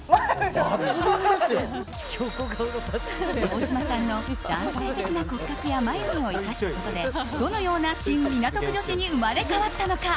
大島さんの男性的な骨格や眉毛を生かしたことでどのようなシン・港区女子に生まれ変わったのか。